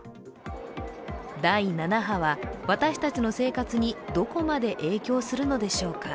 第７波は、私たちの生活にどこまで影響するのでしょうか。